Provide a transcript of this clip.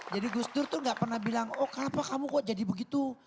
jadi gus dur itu enggak pernah bilang oh kenapa kamu kok jadi begitu